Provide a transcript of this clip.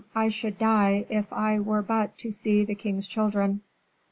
I should die if I were but to see the king's children."